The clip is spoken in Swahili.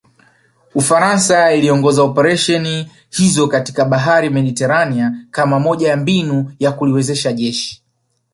Ufaransa iliongoza operesheni hizo katika bahari Mediterania kama moja ya mbinu ya kuliwezesha jeshi